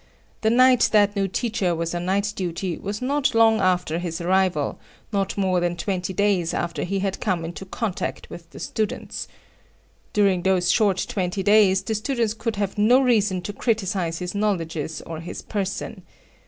The night that new teacher was on night duty was not long after his arrival, not more than twenty days after he had come into contact with the students. During those short twenty days, the students could have no reason to criticise his knowledges or his person.